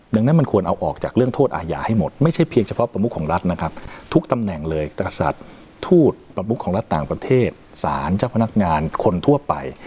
ดังนั้นมันควรเอาออกจากเรื่องโทษอาญาให้หมดไม่ใช่เพียงเฉพาะประมุขของรัฐนะครับทุกตำแหน่งเลยกษัตริย์ทูตประมุขของรัฐต่างประเทศสารเจ้าพนักงานคนทั่วไป